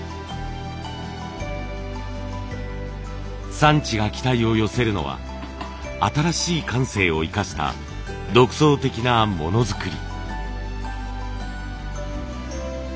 産地が期待を寄せるのは新しい感性を生かした独創的なものづくり。